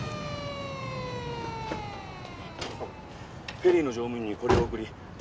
フェリーの乗務員にこれを送り橘